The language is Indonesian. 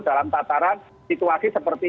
dalam tataran situasi seperti